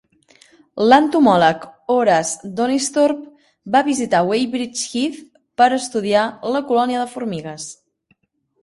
L'entomòleg Horace Donisthorpe va visitar Weybridge Heath per a estudiar la colònia de formigues.